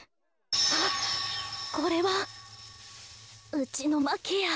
あっこれはうちのまけや。